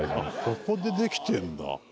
「ここでできてるんだ」